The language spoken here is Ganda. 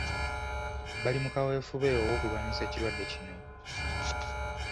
Bali mu kaweefube ow'okulwanyisa ekirwadde kino.